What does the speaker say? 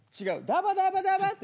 ダバダバダバって。